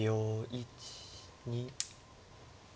１２。